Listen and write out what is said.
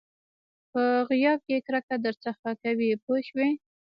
په غیاب کې کرکه درڅخه کوي پوه شوې!.